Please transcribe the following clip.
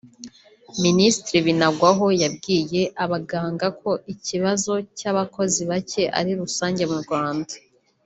Minisitiri Binagwaho yabwiye abaganga ko ikibazo cy’abakozi bake ari rusange mu Rwanda